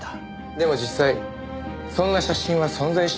でも実際そんな写真は存在しなかった。